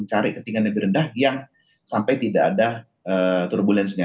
cari ketinggian yang lebih rendah sampai tidak ada turbulensinya